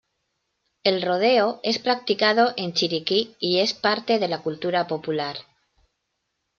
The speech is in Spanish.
El rodeo es practicado en Chiriquí y es parte de la cultura popular.